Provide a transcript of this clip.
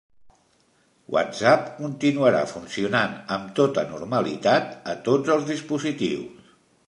WhatsApp continuarà funcionant amb tota normalitat a tots els dispositius